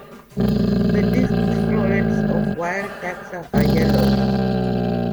The disc florets of wild taxa are yellow.